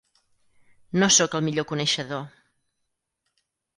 No soc el millor coneixedor.